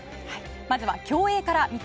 まずは競泳から。